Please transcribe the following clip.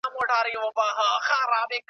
دی یې تش له لوی اوازه وېرېدلی .